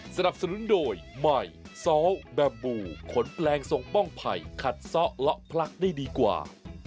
สนับสนุนโดยใหม่ซ้อแบบบูขนแปลงทรงป้องไผ่ขัดซ้อเลาะพลักได้ดีกว่า